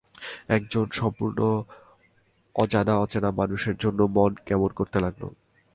এক জন সম্পূর্ণ অজানা-অচেনা মানুষের জন্যে মন কেমন করতে লাগল।